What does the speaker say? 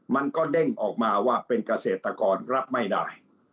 มันก็เด้งออกมาว่าเป็นเกษตรกรรับไม่ได้